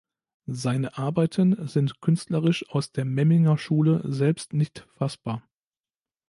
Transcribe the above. Seine Arbeiten sind künstlerisch aus der Memminger Schule selbst nicht fassbar.